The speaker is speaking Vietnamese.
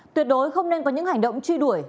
tuyệt đối không nên có những hành động truy đuổi